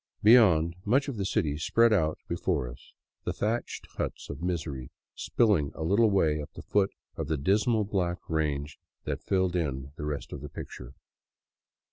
Beyond, much of the city spread out be fore us, the thatched huts of misery spilling a little way up the foot of the dismal black range that filled in the rest of the picture.